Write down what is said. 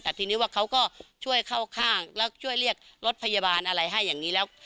แต่ทีนี้ว่าเขาก็ช่วยเข้าข้างแล้วช่วยเรียกรถพยาบาลอะไรให้อย่างนี้แล้ว